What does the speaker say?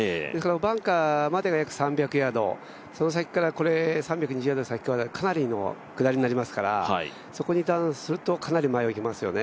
バンカーまでが約３００ヤード、その先から、この３２０ヤード先からかなりの下りになりますからそこにターンするとかなり前をいきますよね。